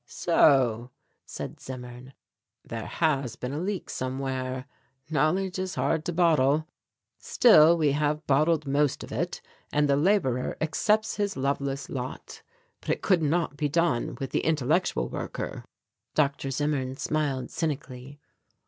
"So," said Zimmern, "there has been a leak somewhere; knowledge is hard to bottle. Still we have bottled most of it and the labourer accepts his loveless lot. But it could not be done with the intellectual worker." Dr. Zimmern smiled cynically.